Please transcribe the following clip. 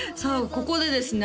ここでですね